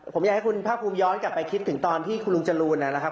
ผมอยากให้คุณภาคภูมิย้อนกลับไปคิดถึงตอนที่คุณลุงจรูนนะครับ